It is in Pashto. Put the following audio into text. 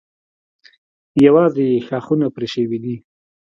یوازې یې ښاخونه پرې شوي دي.